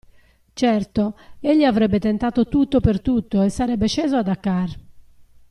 Certo, egli avrebbe tentato tutto per tutto e sarebbe sceso a Dakar.